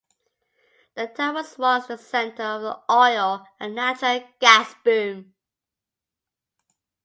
The town was once the centre of an oil and natural gas boom.